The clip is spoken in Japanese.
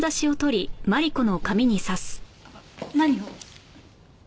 何を？